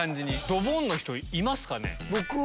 ドボンの人いますかね？